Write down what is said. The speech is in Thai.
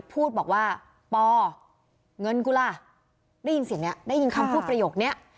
พูดบอกว่าปอเงินกูล่ะได้ยินเสียงนี้ได้ยินคำพูดประโยคนี้